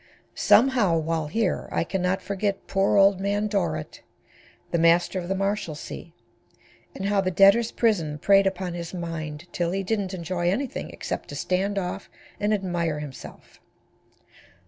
Somehow, while here, I can not forget poor old man Dorrit, the Master of the Marshalsea, and how the Debtors' Prison preyed upon his mind till he didn't enjoy anything except to stand off and admire himself.